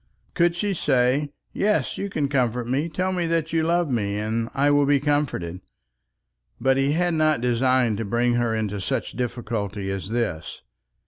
Could she say, "Yes, you can comfort me. Tell me that you yet love me, and I will be comforted?" But he had not designed to bring her into such difficulty as this.